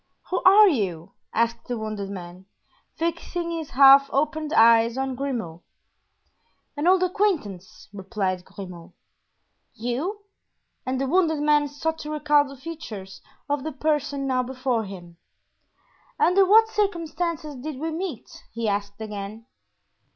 "Who are you?" asked the wounded man, fixing his half opened eyes on Grimaud. "An old acquaintance," replied Grimaud. "You?" and the wounded man sought to recall the features of the person now before him. "Under what circumstances did we meet?" he asked again.